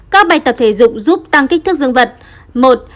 các bài tập thể dụng giúp tăng kích thước dương vật